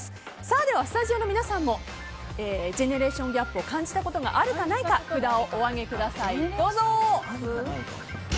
ではスタジオの皆さんもジェネレーションギャップを感じたことがあるかないか札をお上げください。